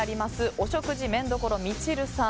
お食事めん処みちるさん。